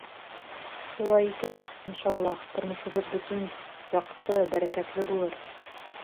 Шулай икән, иншаллаһ, тормошобоҙ бөтөн, яҡты, бәрәкәтле булыр.